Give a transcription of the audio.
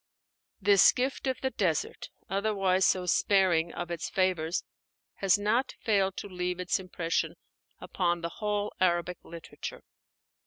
This gift of the desert otherwise so sparing of its favors has not failed to leave its impression upon the whole Arabic literature.